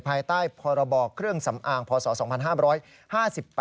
ภายใต้พรบเครื่องสำอางพศ๒๕๕๘